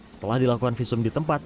setelah dilakukan visum di tempat